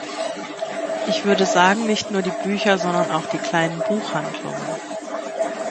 Ich würde sagen, nicht nur die Bücher, sondern auch die kleinen Buchhandlungen.